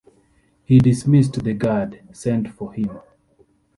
He dismissed the guard sent for him.